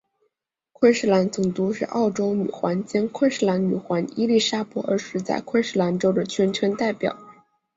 昆士兰总督是澳洲女皇兼昆士兰女王伊利沙伯二世在昆士兰州的全权代表。